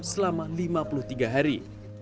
selama lima puluh tiga hari